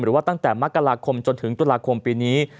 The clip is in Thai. ว่าตั้งแต่มกราคมจนถึงตุลาคมปีนี้